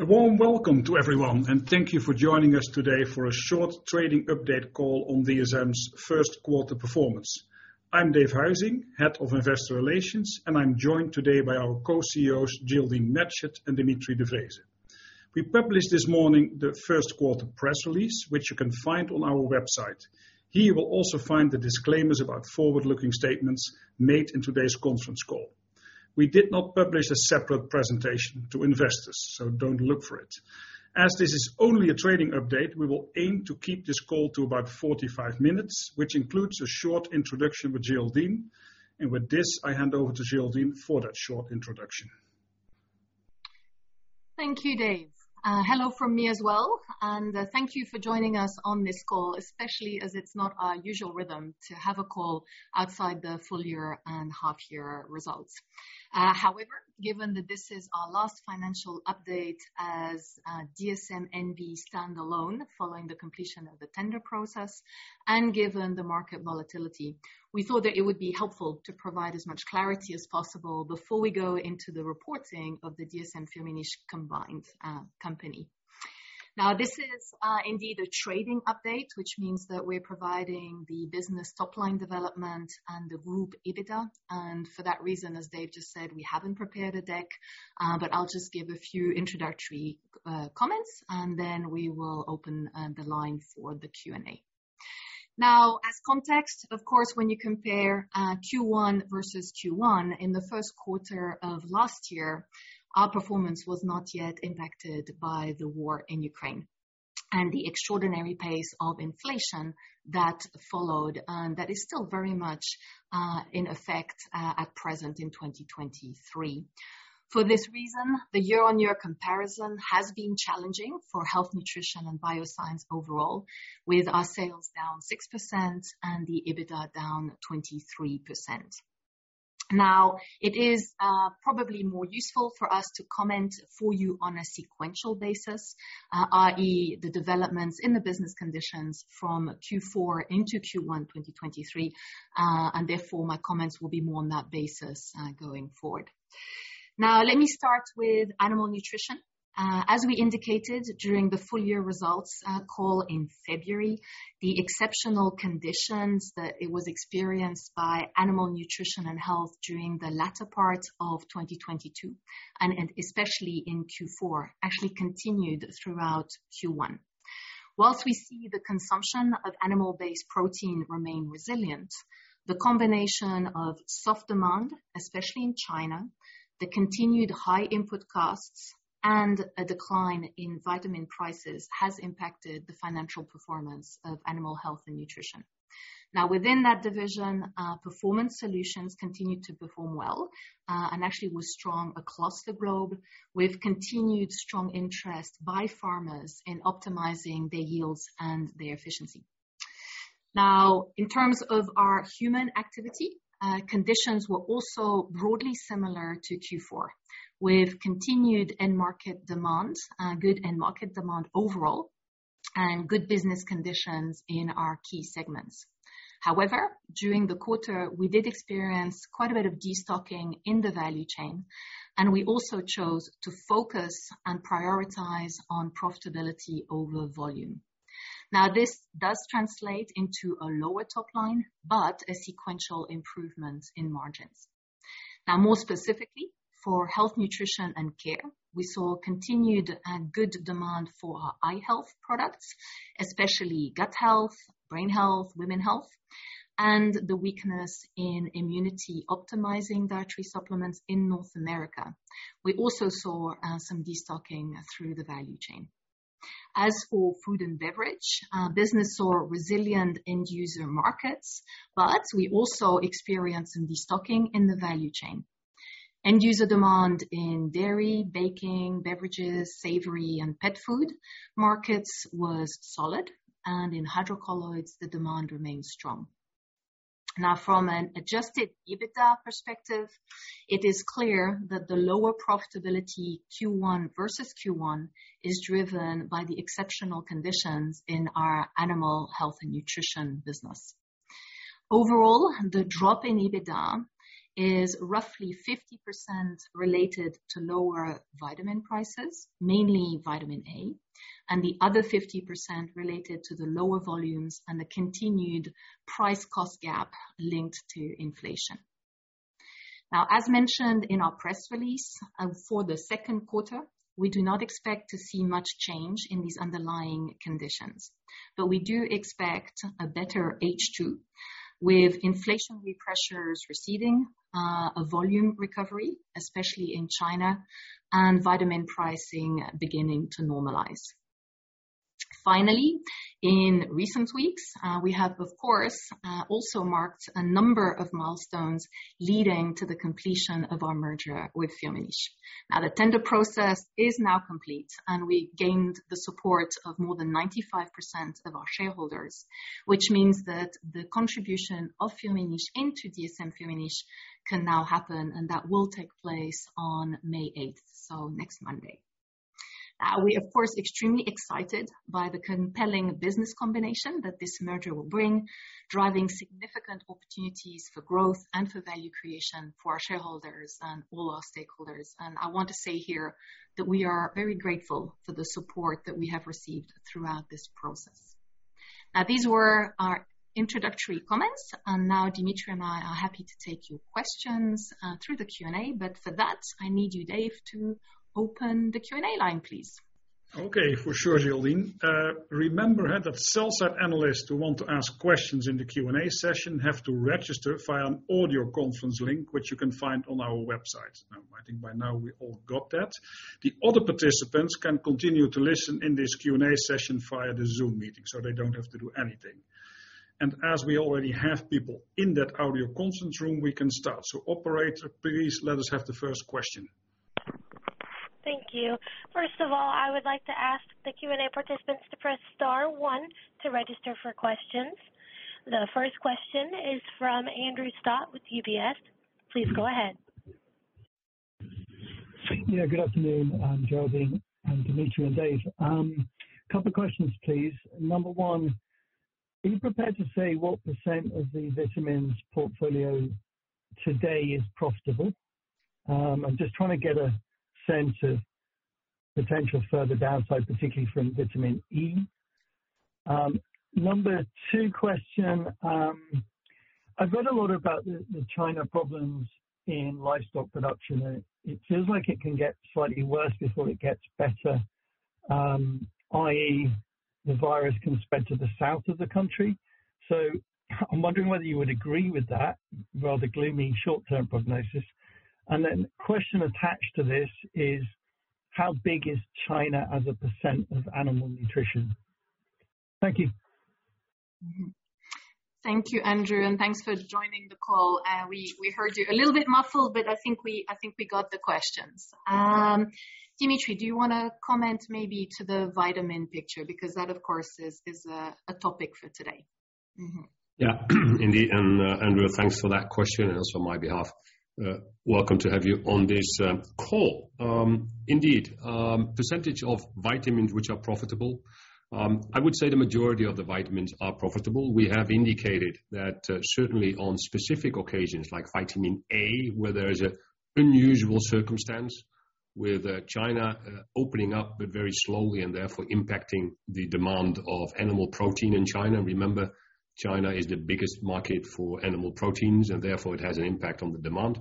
A warm welcome to everyone, and thank you for joining us today for a short trading update call on DSM's first quarter performance. I'm Dave Huizing, Head of Investor Relations, and I'm joined today by our co-CEOs, Geraldine Matchett and Dimitri de Vreeze. We published this morning the first quarter press release, which you can find on our website. Here you will also find the disclaimers about forward-looking statements made in today's conference call. We did not publish a separate presentation to investors, so don't look for it. As this is only a trading update, we will aim to keep this call to about 45 minutes, which includes a short introduction with Geraldine. With this, I hand over to Geraldine for that short introduction. Thank you, Dave. Hello from me as well, and thank you for joining us on this call, especially as it's not our usual rhythm to have a call outside the full year and half year results. However, given that this is our last financial update as DSM N.V. standalone, following the completion of the tender process and given the market volatility, we thought that it would be helpful to provide as much clarity as possible before we go into the reporting of the DSM-Firmenich combined company. Now, this is indeed a trading update, which means that we're providing the business top-line development and the group EBITDA. For that reason, as Dave just said, we haven't prepared a deck. But I'll just give a few introductory comments, and then we will open the line for the Q&A. As context, of course, when you compare Q1 versus Q1, in the first quarter of last year, our performance was not yet impacted by the war in Ukraine and the extraordinary pace of inflation that followed, that is still very much in effect at present in 2023. For this reason, the year-on-year comparison has been challenging for Health, Nutrition & Bioscience overall, with our sales down 6% and the EBITDA down 23%. It is probably more useful for us to comment for you on a sequential basis, i.e., the developments in the business conditions from Q4 into Q1 2023, and therefore my comments will be more on that basis going forward. Let me start with animal nutrition. As we indicated during the full year results call in February, the exceptional conditions that it was experienced by Animal Nutrition & Health during the latter part of 2022, and especially in Q4, actually continued throughout Q1. Whilst we see the consumption of animal-based protein remain resilient, the combination of soft demand, especially in China, the continued high input costs, and a decline in vitamin prices has impacted the financial performance of Animal Nutrition & Health. Within that division, Performance Solutions continued to perform well and actually was strong across the globe, with continued strong interest by farmers in optimizing their yields and their efficiency. In terms of our human activity, conditions were also broadly similar to Q4, with continued end market demand, good end market demand overall, and good business conditions in our key segments. During the quarter, we did experience quite a bit of destocking in the value chain. We also chose to focus and prioritize on profitability over volume. This does translate into a lower top line. A sequential improvement in margins. More specifically for Health, Nutrition & Care, we saw continued good demand for our eye health products, especially gut health, brain health, women health, and the weakness in immunity optimizing dietary supplements in North America. We also saw some destocking through the value chain. As for Food & Beverage business saw resilient end user markets. We also experienced some destocking in the value chain. End user demand in dairy, baking, beverages, savory, and pet food markets was solid. In hydrocolloids, the demand remained strong. Now, from an Adjusted EBITDA perspective, it is clear that the lower profitability Q1 versus Q1 is driven by the exceptional conditions in our Animal Nutrition & Health business. Overall, the drop in EBITDA is roughly 50% related to lower vitamin prices, mainly vitamin A, and the other 50% related to the lower volumes and the continued price cost gap linked to inflation. Now, as mentioned in our press release, for the second quarter, we do not expect to see much change in these underlying conditions, but we do expect a better H2 with inflationary pressures receding, a volume recovery, especially in China and vitamin pricing beginning to normalize. Finally, in recent weeks, we have of course, also marked a number of milestones leading to the completion of our merger with Firmenich. Now, the tender process is now complete, and we gained the support of more than 95% of our shareholders, which means that the contribution of Firmenich into DSM-Firmenich can now happen, and that will take place on May eighth, so next Monday. We of course extremely excited by the compelling business combination that this merger will bring, driving significant opportunities for growth and for value creation for our shareholders and all our stakeholders. I want to say here that we are very grateful for the support that we have received throughout this process. Now, these were our introductory comments, now Dmitri and I are happy to take your questions through the Q&A. For that, I need you, Dave, to open the Q&A line, please. Okay. For sure, Geraldine. Remember that sell-side analysts who want to ask questions in the Q&A session have to register via an audio conference link, which you can find on our website. I think by now we all got that. The other participants can continue to listen in this Q&A session via the Zoom meeting, so they don't have to do anything. As we already have people in that audio conference room, we can start. Operator, please let us have the first question. Thank you. First of all, I would like to ask the Q&A participants to press star one to register for questions. The first question is from Andrew Stott with UBS. Please go ahead. Good afternoon, Geraldine and Dimitri and Dave. A couple questions, please. Number one, are you prepared to say what % of the vitamins portfolio today is profitable? I'm just trying to get a sense of potential further downside, particularly from vitamin E. Number two question. I've read a lot about the China problems in livestock production. It feels like it can get slightly worse before it gets better, i.e., the virus can spread to the south of the country. I'm wondering whether you would agree with that, rather gloomy short-term prognosis. Question attached to this is how big is China as a % of animal nutrition? Thank you. Thank you, Andrew, and thanks for joining the call. We heard you a little bit muffled, but I think we got the questions. Dimitri, do you wanna comment maybe to the vitamin picture? Because that, of course, is a topic for today. Yeah. Indeed. Andrew, thanks for that question and also my behalf. Welcome to have you on this call. Indeed, percentage of vitamins which are profitable. I would say the majority of the vitamins are profitable. We have indicated that certainly on specific occasions, like vitamin A, where there is an unusual circumstance with China opening up, but very slowly and therefore impacting the demand of animal protein in China. Remember, China is the biggest market for animal proteins, and therefore it has an impact on the demand.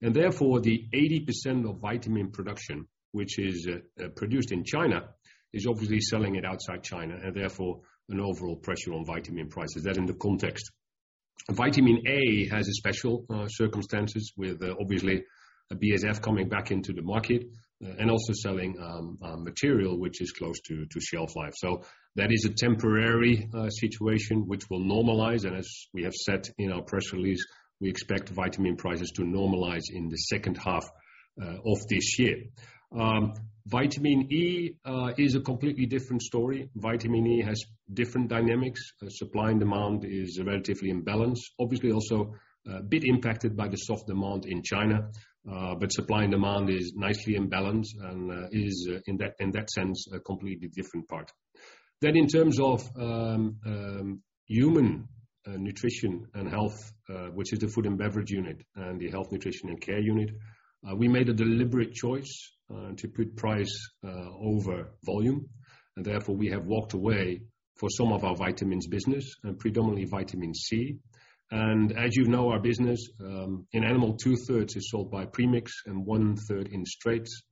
Therefore, the 80% of vitamin production, which is produced in China, is obviously selling it outside China, and therefore an overall pressure on vitamin prices. That in the context. Vitamin A has a special circumstances with obviously a BASF coming back into the market and also selling material which is close to shelf life. That is a temporary situation which will normalize. As we have said in our press release, we expect vitamin prices to normalize in the second half of this year. Vitamin E is a completely different story. Vitamin E has different dynamics. Supply and demand is relatively in balance. Obviously also a bit impacted by the soft demand in China, supply and demand is nicely in balance and is in that sense, a completely different part. In terms of human nutrition and health, which is the Food & Beverage unit and the Health, Nutrition & Care unit, we made a deliberate choice to put price over volume, and therefore we have walked away for some of our vitamins business and predominantly vitamin C. As you know, our business in animal 2/3 is sold by premix and 1/3 in straights.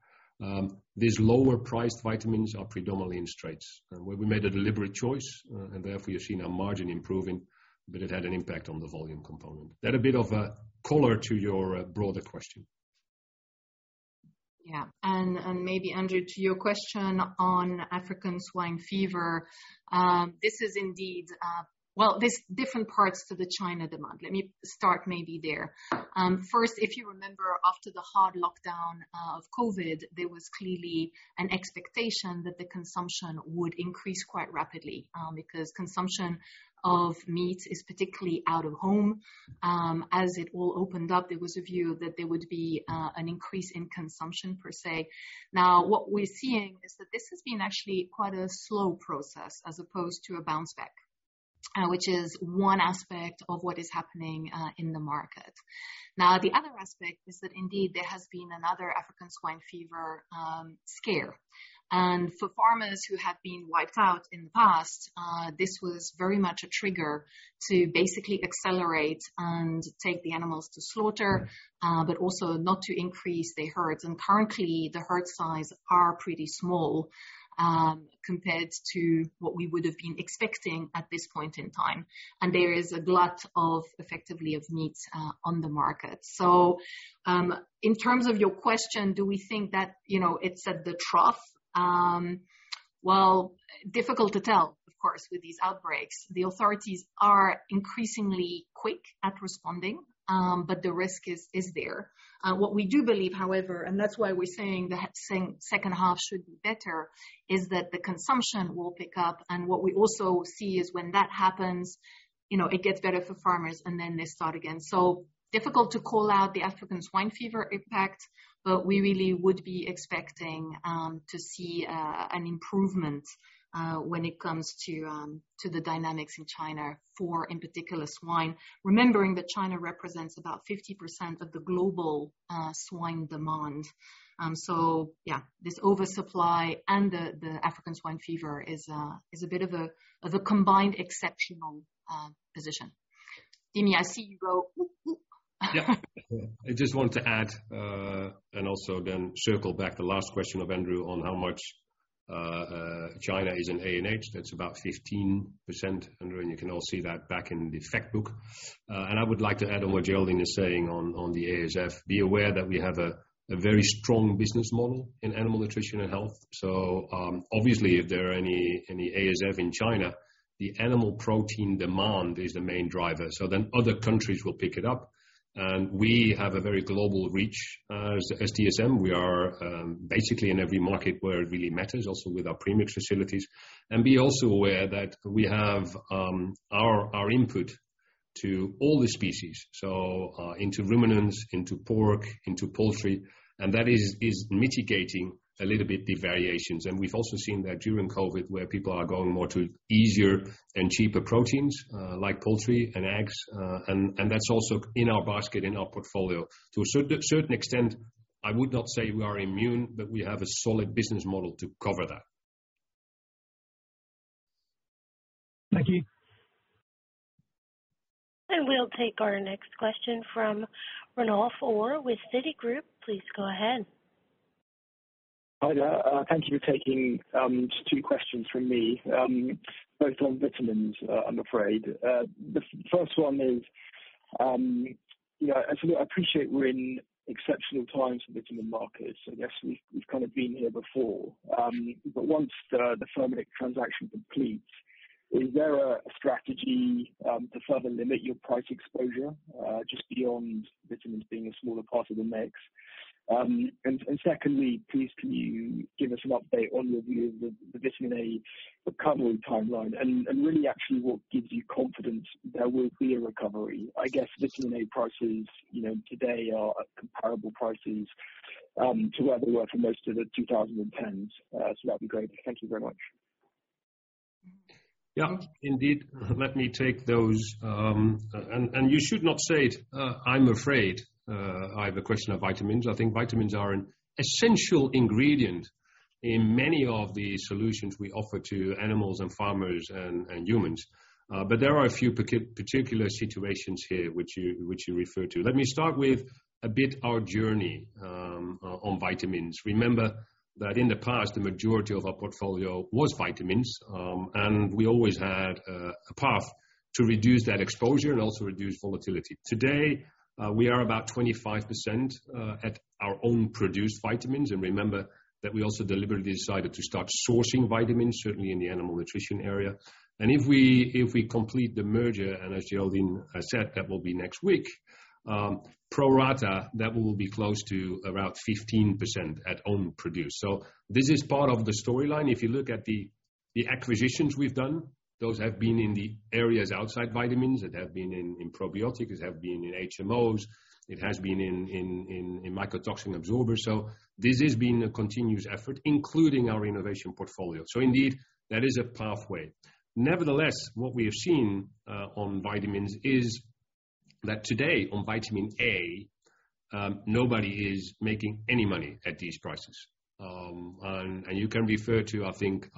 These lower priced vitamins are predominantly in straights. We made a deliberate choice, and therefore you're seeing our margin improving, but it had an impact on the volume component. That a bit of a color to your broader question. Yeah. Maybe Andrew, to your question on African swine fever. This is indeed. Well, there's different parts to the China demand. Let me start maybe there. First, if you remember after the hard lockdown of COVID, there was clearly an expectation that the consumption would increase quite rapidly because consumption of meat is particularly out of home. As it all opened up, there was a view that there would be an increase in consumption per se. What we're seeing is that this has been actually quite a slow process as opposed to a bounce back, which is one aspect of what is happening in the market. The other aspect is that indeed there has been another African swine fever scare. For farmers who have been wiped out in the past, this was very much a trigger to basically accelerate and take the animals to slaughter, but also not to increase their herds. Currently the herd size are pretty small, compared to what we would have been expecting at this point in time. There is a glut of effectively of meat on the market. In terms of your question, do we think that, you know, it's at the trough? Well, difficult to tell, of course, with these outbreaks. The authorities are increasingly quick at responding, but the risk is there. What we do believe, however, that's why we're saying the second half should be better, is that the consumption will pick up, what we also see is when that happens, you know, it gets better for farmers, and then they start again. Difficult to call out the African swine fever impact, but we really would be expecting to see an improvement when it comes to the dynamics in China for, in particular, swine. Remembering that China represents about 50% of the global swine demand. Yeah, this oversupply and the African swine fever is a bit of a combined exceptional position. Dimi, I see you go, "Whoop, whoop. Yeah. I just want to add, and also again, circle back the last question of Andrew on how much China is in ANH. That's about 15%, Andrew, and you can all see that back in the fact book. I would like to add on what Geraldine is saying on the ASF. Be aware that we have a very strong business model in Animal Nutrition & Health. Obviously if there are any ASF in China, the animal protein demand is the main driver. Other countries will pick it up. We have a very global reach as DSM. We are basically in every market where it really matters, also with our premix facilities. Be also aware that we have, our input to all the species, so, into ruminants, into pork, into poultry, and that is mitigating a little bit the variations. We've also seen that during COVID where people are going more to easier and cheaper proteins, like poultry and eggs, and that's also in our basket, in our portfolio. To a certain extent, I would not say we are immune, but we have a solid business model to cover that. We'll take our next question from Ranulf Orr with Citigroup. Please go ahead. Hi there. Thank you for taking two questions from me, both on vitamins, I'm afraid. The first one is, you know, I appreciate we're in exceptional times for vitamin markets. I guess we've kind of been here before. Once the Firmenich transaction completes, is there a strategy to further limit your price exposure, just beyond vitamins being a smaller part of the mix? Secondly, please, can you give us an update on your view of the vitamin A recovery timeline and really actually what gives you confidence there will be a recovery? I guess vitamin A prices, you know, today are at comparable prices to where they were for most of the 2010s. That'd be great. Thank you very much. Yeah, indeed. Let me take those. You should not say it, I'm afraid, I have a question of vitamins. I think vitamins are an essential ingredient in many of the solutions we offer to animals and farmers and humans. There are a few particular situations here which you refer to. Let me start with a bit our journey on vitamins. Remember that in the past, the majority of our portfolio was vitamins, and we always had a path to reduce that exposure and also reduce volatility. Today, we are about 25% at our own produced vitamins, and remember that we also deliberately decided to start sourcing vitamins, certainly in the animal nutrition area. If we, if we complete the merger, and as Geraldine has said, that will be next week, pro rata, that will be close to around 15% at own produce. This is part of the storyline. If you look at the acquisitions we've done, those have been in the areas outside vitamins, that have been in probiotics, have been in HMOs, it has been in mycotoxin binders. This has been a continuous effort, including our innovation portfolio. Indeed, that is a pathway. Nevertheless, what we have seen on vitamins is that today on vitamin A, nobody is making any money at these prices. You can refer to, I think,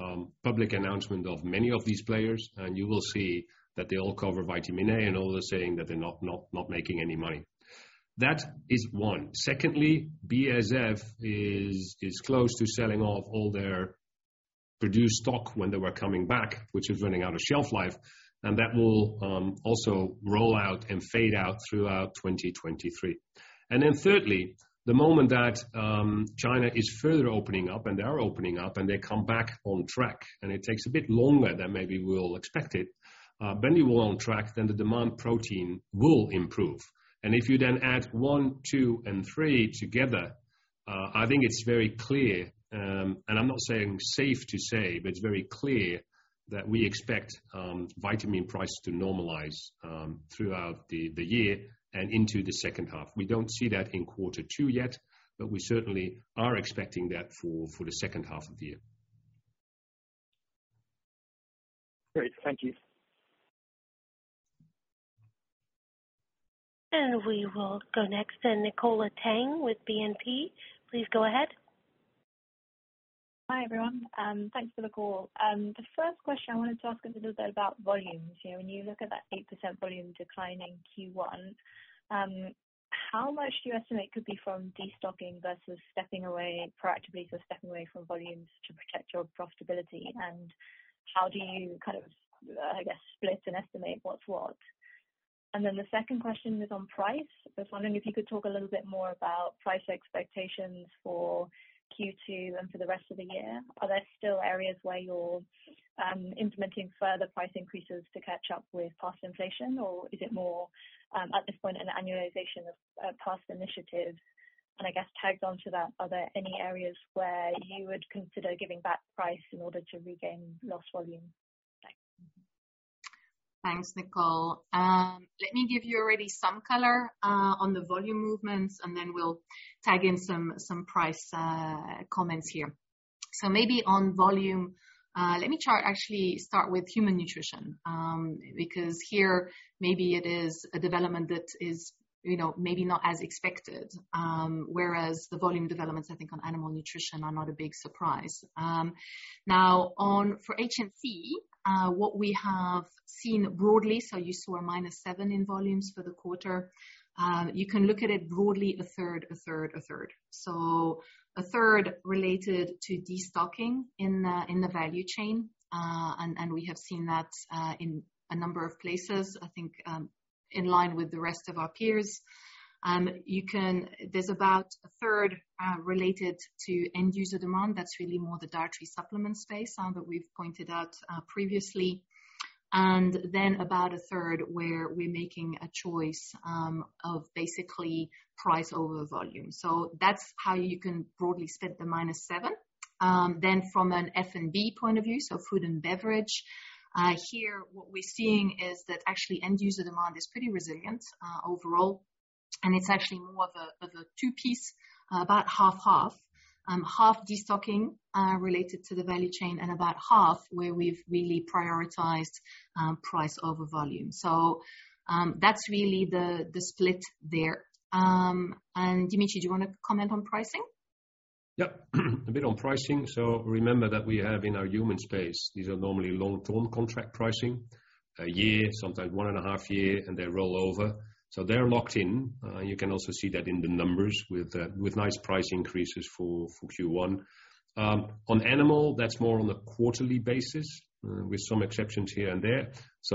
public announcement of many of these players, and you will see that they all cover vitamin A and all are saying that they're not making any money. That is one. Secondly, BASF is close to selling off all their produced stock when they were coming back, which is running out of shelf life, and that will also roll out and fade out throughout 2023. Thirdly, the moment that China is further opening up, and they are opening up and they come back on track, and it takes a bit longer than maybe we'll expect it, then we're on track, then the demand protein will improve. If you then add one, two and three together, I think it's very clear, and I'm not saying safe to say, but it's very clear that we expect vitamin prices to normalize throughout the year and into the second half. We don't see that in quarter two yet, but we certainly are expecting that for the second half of the year. Great. Thank you. We will go next to Nicola Tang with BNP. Please go ahead. Hi, everyone. Thanks for the call. The first question I wanted to ask is a little bit about volumes. You know, when you look at that 8% volume decline in Q1, how much do you estimate could be from destocking versus stepping away proactively, so stepping away from volumes to protect your profitability? How do you kind of, I guess, split and estimate what's what? The second question is on price. I was wondering if you could talk a little bit more about price expectations for Q2 and for the rest of the year. Are there still areas where you're implementing further price increases to catch up with past inflation? Is it more at this point, an annualization of past initiatives? I guess tagged on to that, are there any areas where you would consider giving back price in order to regain lost volume? Thanks. Thanks, Nicola. Let me give you already some color on the volume movements, and then we'll tag in some price comments here. Maybe on volume, let me try actually start with human nutrition, because here, maybe it is a development that is, you know, maybe not as expected, whereas the volume developments, I think, on animal nutrition are not a big surprise. Now for HNC, what we have seen broadly, you saw a -7% in volumes for the quarter, you can look at it broadly, a third, a third, a third. A third related to destocking in the value chain, and we have seen that in a number of places, I think, in line with the rest of our peers. There's about a third related to end user demand. That's really more the dietary supplement space that we've pointed out previously. About a third where we're making a choice of basically price over volume. That's how you can broadly split the -7%. From an F&B point of view, so food and beverage, here what we're seeing is that actually end user demand is pretty resilient overall, and it's actually more of a, of a two-piece, about 50/50, half destocking related to the value chain and about half where we've really prioritized price over volume. That's really the split there. Dimitri, do you wanna comment on pricing? Yep. A bit on pricing. Remember that we have in our human space, these are normally long-term contract pricing, a year, sometimes one and a half year, and they roll over. They're locked in. You can also see that in the numbers with nice price increases for Q1. On animal, that's more on a quarterly basis with some exceptions here and there.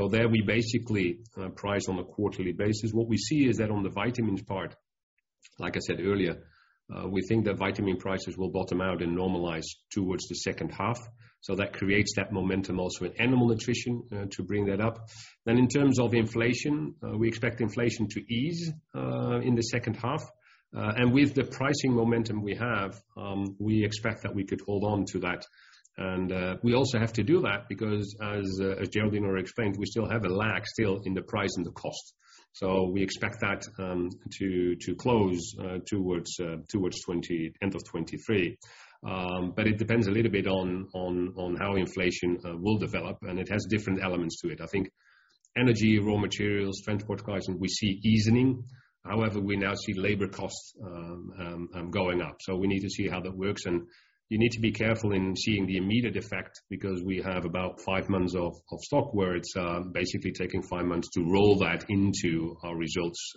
There we basically price on a quarterly basis. What we see is that on the vitamins part, like I said earlier, we think that vitamin prices will bottom out and normalize towards the second half. That creates that momentum also in animal nutrition to bring that up. In terms of inflation, we expect inflation to ease in the second half. With the pricing momentum we have, we expect that we could hold on to that. We also have to do that because as Geraldine already explained, we still have a lag still in the price and the cost. We expect that to close towards end of 2023. It depends a little bit on how inflation will develop, and it has different elements to it. I think energy, raw materials, transport pricing, we see easing. However, we now see labor costs going up. We need to see how that works. You need to be careful in seeing the immediate effect because we have about five months of stock where it's basically taking five months to roll that into our results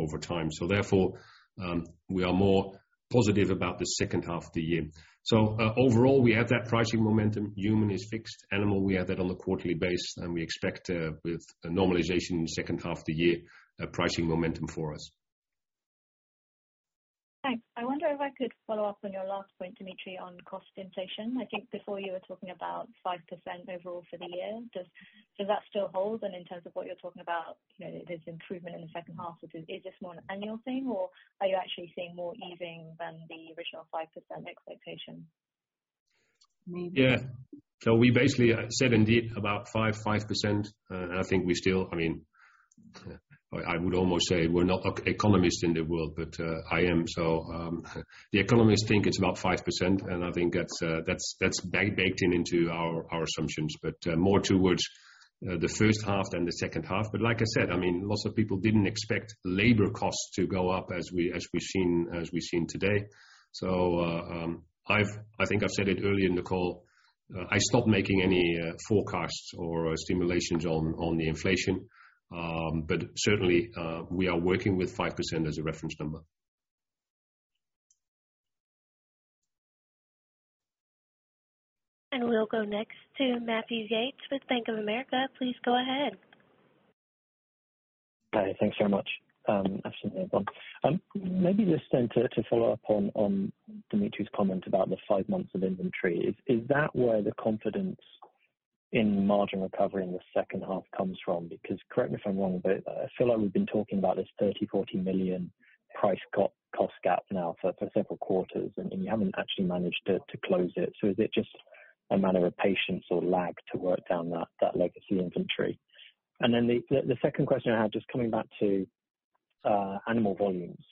over time. We are more positive about the second half of the year. Overall, we have that pricing momentum. Human is fixed. Animal, we have that on a quarterly basis, and we expect with a normalization in the second half of the year, a pricing momentum for us. Thanks. I wonder if I could follow up on your last point, Dimitri, on cost inflation. I think before you were talking about 5% overall for the year. Does that still hold? In terms of what you're talking about, you know, there's improvement in the second half. Is this more an annual thing or are you actually seeing more easing than the original 5% expectation? Maybe- We basically said indeed about 5%. I mean, I would almost say we're not economists in the world, but I am. The economists think it's about 5%, and I think that's baked in into our assumptions, but more towards the first half than the second half. Like I said, I mean, lots of people didn't expect labor costs to go up as we've seen today. I think I've said it early in the call, I stopped making any forecasts or estimations on the inflation. But certainly, we are working with 5% as a reference number. We'll go next to Matthew Yates with Bank of America. Please go ahead. Hi. Thanks very much. Afternoon, everyone. Maybe just then to follow up on Dimitri's comment about the five months of inventory. Is that where the confidence in margin recovery in the second half comes from? Correct me if I'm wrong, but I feel like we've been talking about this 30 million-40 million price co-cost gap now for several quarters, and you haven't actually managed to close it. Is it just a matter of patience or lag to work down that legacy inventory? The second question I had, just coming back to animal volumes.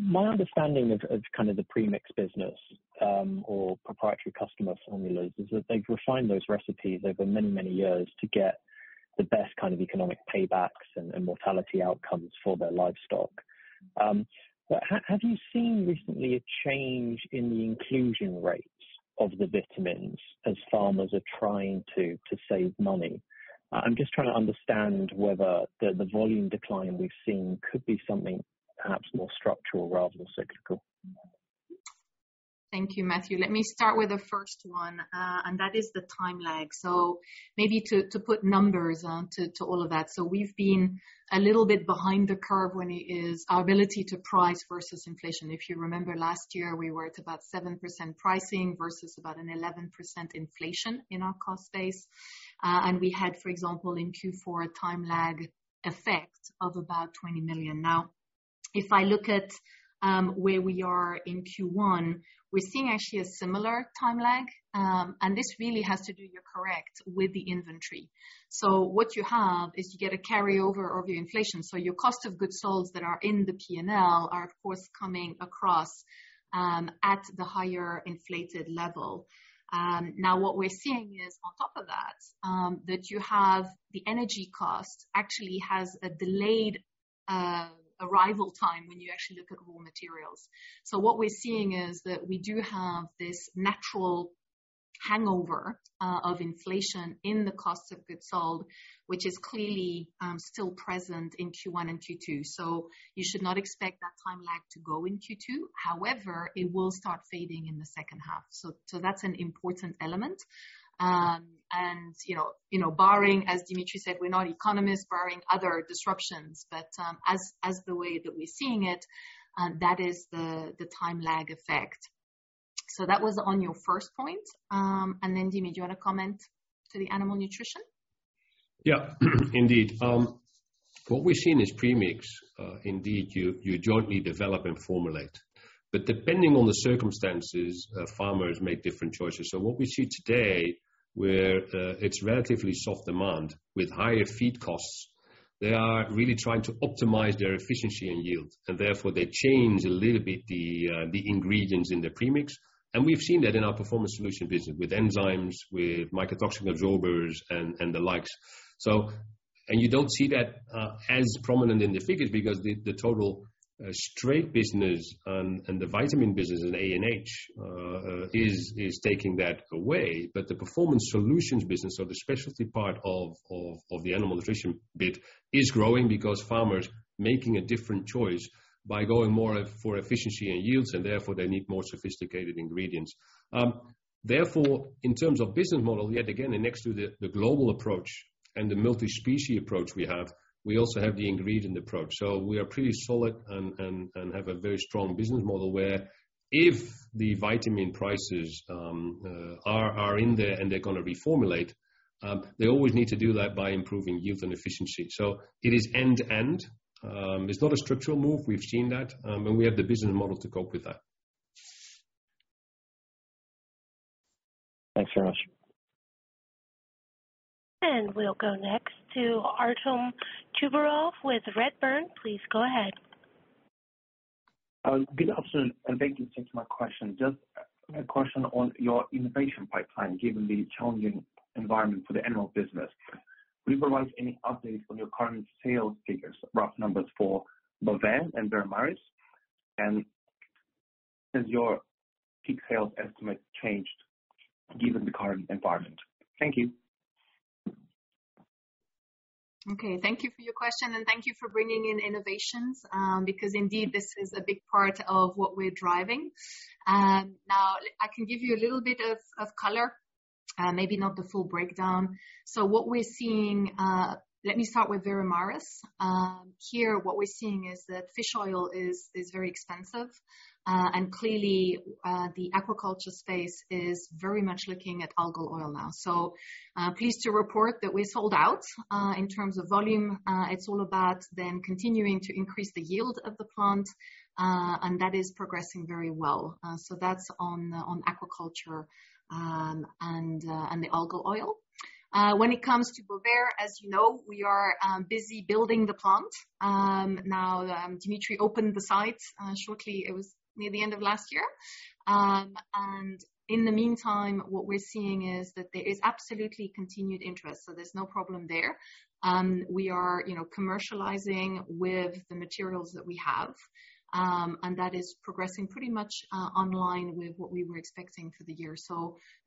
My understanding of kind of the premix business, or proprietary customer formulas is that they've refined those recipes over many, many years to get the best kind of economic paybacks and mortality outcomes for their livestock. Have you seen recently a change in the inclusion rates of the vitamins as farmers are trying to save money? I'm just trying to understand whether the volume decline we've seen could be something perhaps more structural rather than cyclical. Thank you, Matthew. Let me start with the first one, and that is the time lag. Maybe to put numbers on to all of that. We've been a little bit behind the curve when it is our ability to price versus inflation. If you remember last year, we were at about 7% pricing versus about an 11% inflation in our cost base. We had, for example, in Q4, a time lag effect of about 20 million. Now, if I look at where we are in Q1, we're seeing actually a similar time lag, and this really has to do, you're correct, with the inventory. What you have is you get a carryover of your inflation. Your cost of goods sold that are in the P&L are of course, coming across at the higher inflated level. Now what we're seeing is on top of that you have the energy cost has a delayed arrival time when you look at raw materials. What we're seeing is that we do have this natural hangover of inflation in the cost of goods sold, which is clearly still present in Q1 and Q2. You should not expect that time lag to go in Q2. However, it will start fading in the second half. That's an important element. You know barring, as Dimitri said, we're not economists barring other disruptions. As the way that we're seeing it, that is the time lag effect. That was on your first point. Dimitri, do you want to comment to the animal nutrition? Yeah. Indeed. What we've seen is premix. Indeed, you jointly develop and formulate. Depending on the circumstances, farmers make different choices. What we see today, where it's relatively soft demand with higher feed costs, they are really trying to optimize their efficiency and yield, and therefore they change a little bit the ingredients in the premix. We've seen that in our Performance Solutions business with enzymes, with mycotoxin binders and the likes. You don't see that as prominent in the figures because the total straight business and the vitamin business in ANH is taking that away. The Performance Solutions business or the specialty part of the animal nutrition bit is growing because farmers making a different choice by going more for efficiency and yields, and therefore they need more sophisticated ingredients. In terms of business model, yet again, and next to the global approach and the multi-species approach we have, we also have the ingredient approach. We are pretty solid and have a very strong business model where if the vitamin prices are in there and they're gonna reformulate, they always need to do that by improving yield and efficiency. It is end-to-end. It's not a structural move. We've seen that, and we have the business model to cope with that. Thanks very much. We'll go next to Artem Chubarov with Redburn. Please go ahead. Good afternoon, thank you. Thanks for my question. Just a question on your innovation pipeline, given the challenging environment for the animal business. Will you provide any updates on your current sales figures, rough numbers for Bovaer and Veramaris? Has your peak sales estimate changed given the current environment? Thank you. Okay, thank you for your question, thank you for bringing in innovations, because indeed this is a big part of what we're driving. I can give you a little bit of color, maybe not the full breakdown. What we're seeing, let me start with Veramaris. Here what we're seeing is that fish oil is very expensive, clearly the aquaculture space is very much looking at algal oil now. Pleased to report that we sold out in terms of volume. It's all about then continuing to increase the yield of the plant, that is progressing very well. That's on aquaculture, and the algal oil. When it comes to Bovaer, as you know, we are busy building the plant. Now, Dimitri opened the site shortly it was near the end of last year. In the meantime, what we're seeing is that there is absolutely continued interest, so there's no problem there. We are, you know, commercializing with the materials that we have, and that is progressing pretty much online with what we were expecting for the year.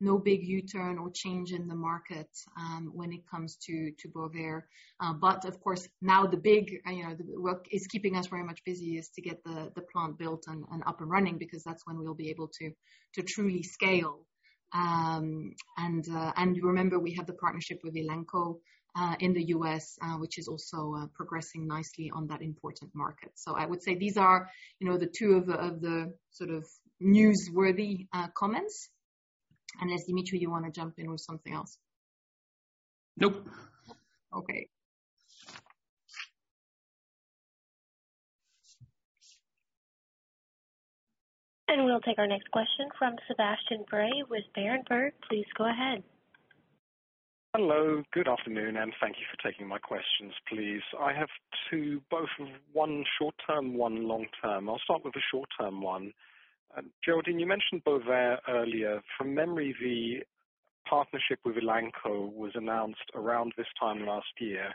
No big U-turn or change in the market when it comes to Bovaer. Of course, now the big, you know, work is keeping us very much busy is to get the plant built and up and running because that's when we'll be able to truly scale. You remember we have the partnership with Elanco in the US, which is also progressing nicely on that important market. I would say these are, you know, the two of the, of the sort of newsworthy comments. Unless Dimitri, you wanna jump in with something else? Nope. Okay. We'll take our next question from Sebastian Bray with Berenberg. Please go ahead. Hello, good afternoon. Thank you for taking my questions, please. I have two, both of one short term, one long term. I'll start with the short term one. Geraldine, you mentioned Bovaer earlier. From memory, the partnership with Elanco was announced around this time last year,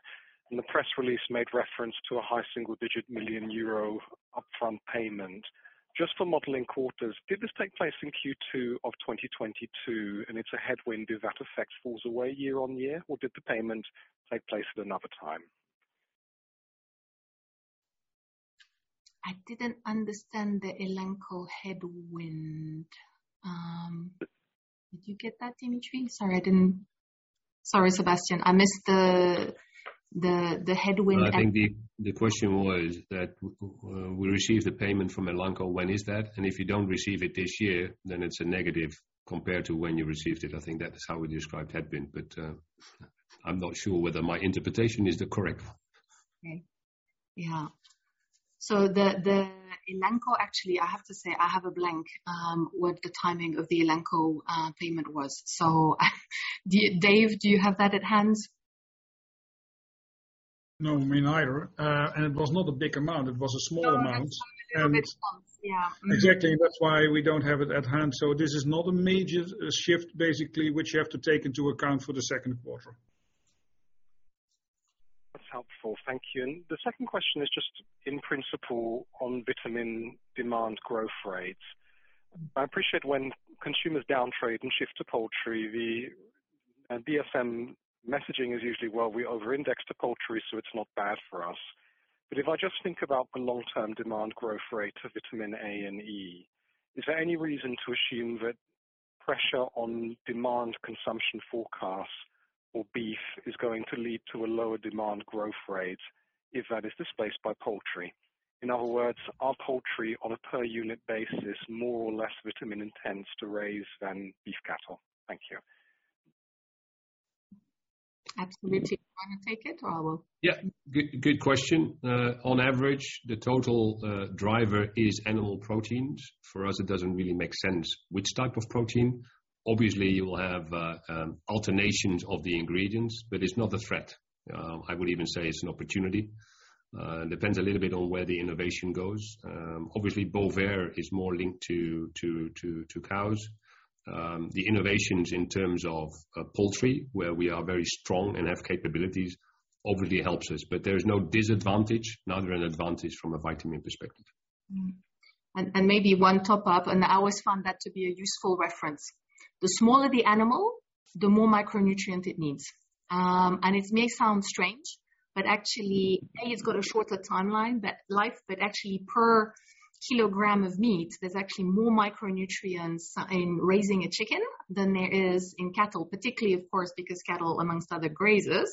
and the press release made reference to a high single-digit million euro upfront payment. Just for modeling quarters, did this take place in Q2 of 2022 and it's a headwind? Do that effect falls away year-on-year, or did the payment take place at another time? I didn't understand the Elanco headwind. Did you get that, Dimitri? Sorry, Sebastian, I missed the headwind. I think the question was that we received the payment from Elanco, when is that? If you don't receive it this year, then it's a negative compared to when you received it. I think that is how we described headwind. I'm not sure whether my interpretation is the correct. Okay. Yeah. The Elanco. Actually, I have to say I have a blank, what the timing of the Elanco payment was. Dave, do you have that at hand? No, me neither. It was not a big amount, it was a small amount. No, a small. Little bit small. Yeah. Exactly. That's why we don't have it at hand. This is not a major shift, basically, which you have to take into account for the second quarter. That's helpful. Thank you. The second question is just in principle on vitamin demand growth rates. I appreciate when consumers downtrade and shift to poultry, the DSM messaging is usually, "Well, we over-index to poultry, so it's not bad for us." If I just think about the long-term demand growth rate of vitamin A and E, is there any reason to assume that pressure on demand consumption forecasts for beef is going to lead to a lower demand growth rate if that is displaced by poultry? In other words, are poultry on a per unit basis more or less vitamin intense to raise than beef cattle? Thank you. Absolutely. Do you wanna take it or I will? Yeah. Good, good question. On average, the total driver is animal proteins. For us, it doesn't really make sense which type of protein. Obviously, you will have alternations of the ingredients, but it's not a threat. I would even say it's an opportunity. It depends a little bit on where the innovation goes. Obviously Bovaer is more linked to cows. The innovations in terms of poultry, where we are very strong and have capabilities, overly helps us. There is no disadvantage nor an advantage from a vitamin perspective. Mm-hmm. Maybe one top up, I always found that to be a useful reference. The smaller the animal, the more micronutrient it needs. It may sound strange, but actually, A, it's got a shorter timeline, life, but actually per kilogram of meat, there's actually more micronutrients in raising a chicken than there is in cattle, particularly, of course, because cattle amongst other grazers.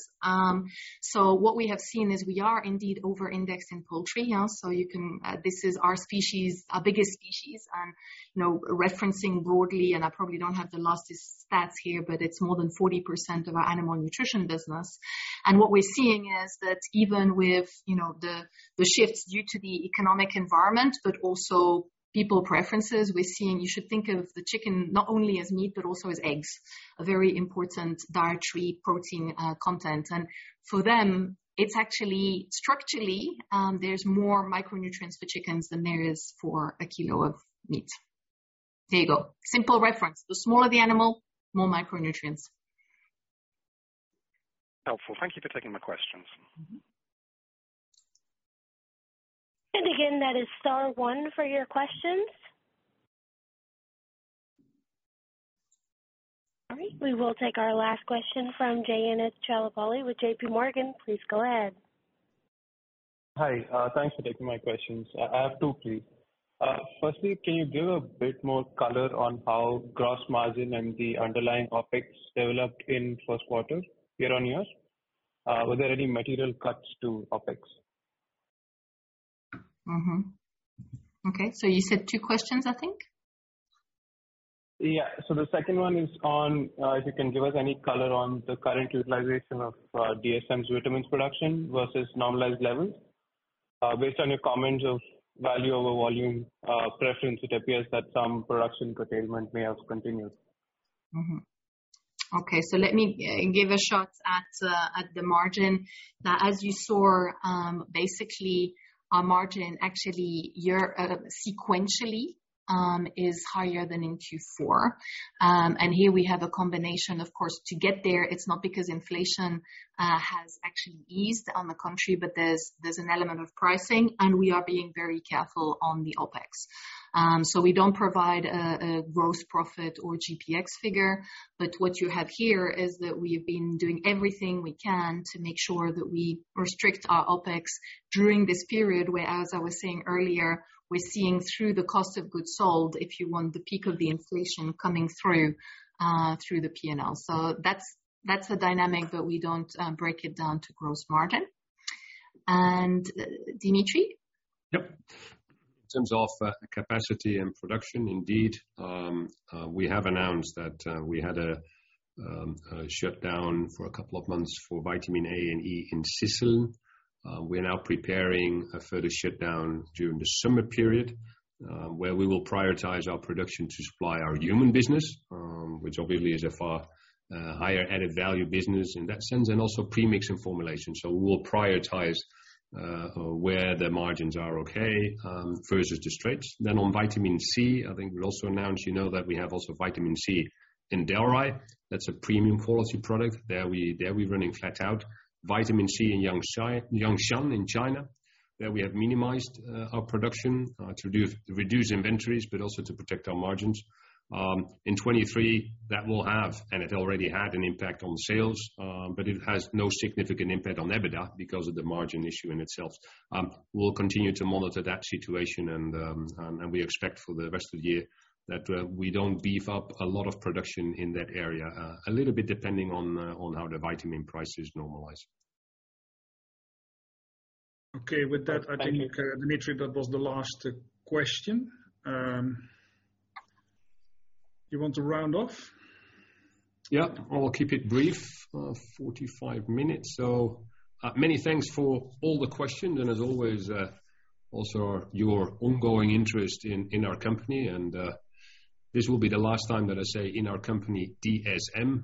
What we have seen is we are indeed over-indexed in poultry. This is our species, our biggest species, and, you know, referencing broadly, I probably don't have the latest stats here, but it's more than 40% of our Animal Nutrition business. What we're seeing is that even with, you know, the shifts due to the economic environment, but also people preferences, we're seeing you should think of the chicken not only as meat, but also as eggs. A very important dietary protein content. For them, it's actually structurally, there's more micronutrients for chickens than there is for a kilo of meat. There you go. Simple reference. The smaller the animal, more micronutrients. Helpful. Thank you for taking my questions. Mm-hmm. Again, that is star one for your questions. All right, we will take our last question from Chetan Udeshi with JP Morgan. Please go ahead. Hi. Thanks for taking my questions. I have two, please. Firstly, can you give a bit more color on how gross margin and the underlying OpEx developed in first quarter year-on-year? Were there any material cuts to OpEx? Mm-hmm. Okay. You said two questions, I think. Yeah. The second one is on, if you can give us any color on the current utilization of DSM's vitamins production versus normalized levels. Based on your comments of value over volume, preference, it appears that some production curtailment may have continued. Okay. Let me give a shot at the margin. As you saw, basically our margin actually sequentially is higher than in Q4. Here we have a combination, of course, to get there, it's not because inflation has actually eased on the country, but there's an element of pricing, and we are being very careful on the OpEx. We don't provide a gross profit or GP% figure, but what you have here is that we've been doing everything we can to make sure that we restrict our OpEx during this period, where, as I was saying earlier, we're seeing through the cost of goods sold, if you want the peak of the inflation coming through the P&L. That's the dynamic, but we don't break it down to gross margin. Dimitri? Yep. In terms of capacity and production, indeed, we have announced that we had a shutdown for a couple of months for vitamin A and E in Sisseln. We're now preparing a further shutdown during the summer period, where we will prioritize our production to supply our human business, which obviously is a far higher added value business in that sense, and also premix and formulation. We'll prioritize where the margins are okay versus the straights. On vitamin C, I think we also announced, you know, that we have also vitamin C in Dalry. That's a premium quality product. There we're running flat out. Vitamin C in Jiangshan in China. There we have minimized our production to reduce inventories, but also to protect our margins. In 23, that will have, and it already had an impact on sales, but it has no significant impact on EBITDA because of the margin issue in itself. We'll continue to monitor that situation and we expect for the rest of the year that we don't beef up a lot of production in that area. A little bit depending on how the vitamin prices normalize. Okay. With that, I think Dimitri, that was the last question. You want to round off? Yeah. I will keep it brief. 45 minutes. Many thanks for all the questions and as always, also your ongoing interest in our company. This will be the last time that I say in our company DSM,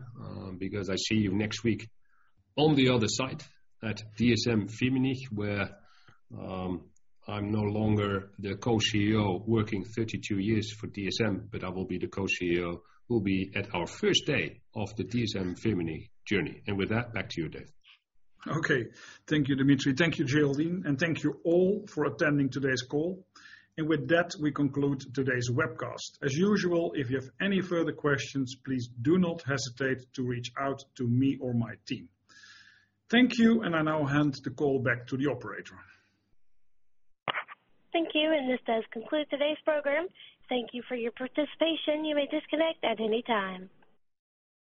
because I see you next week on the other side at DSM-Firmenich, where I'm no longer the Co-CEO working 32 years for DSM, but I will be the Co-CEO, will be at our first day of the DSM-Firmenich journey. With that, back to you, Dave. Okay, thank you, Dimitri. Thank you, Geraldine, and thank you all for attending today's call. With that, we conclude today's webcast. As usual, if you have any further questions, please do not hesitate to reach out to me or my team. Thank you. I now hand the call back to the operator. Thank you. This does conclude today's program. Thank you for your participation. You may disconnect at any time.